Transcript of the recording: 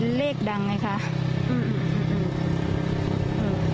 ความปลอดภัยของนายอภิรักษ์และครอบครัวด้วยซ้ำ